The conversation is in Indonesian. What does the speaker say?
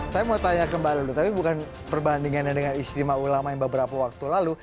saya mau tanya ke mbak lulu tapi bukan perbandingannya dengan ijtima ulama yang beberapa waktu lalu